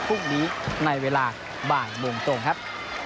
พรุ่งนี้ในเวลาบ่ายโมงตรงครับ